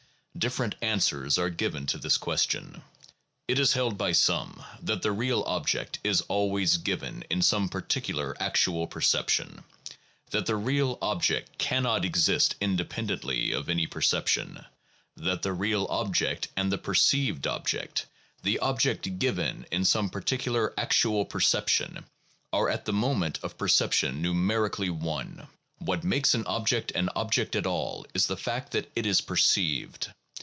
Different answers are given to this question. It is held by some that the real object is always given in some particular actual perception, that the real object cannot exist independently of any perception, that the real object and the perceived object, the object given in some particular actual perception, are at the moment of perception numerically one. What makes an object an object at all is the fact that it is perceived.